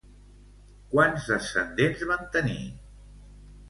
Quants descendents van tenir?